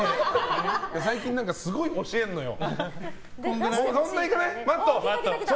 最近すごい教えんのよ。